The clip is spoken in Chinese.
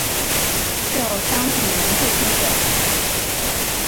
具有乡土浓厚特色